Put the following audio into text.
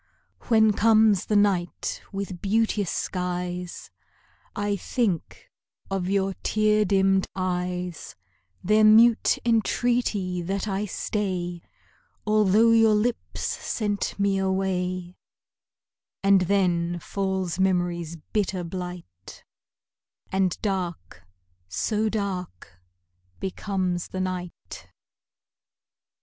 When comes the night with beauteous skies, I think of your tear dimmed eyes, Their mute entreaty that I stay, Although your lips sent me away; And then falls memory's bitter blight, And dark so dark becomes the night.